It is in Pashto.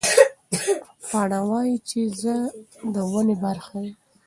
پاڼه وایي چې زه د ونې برخه یم.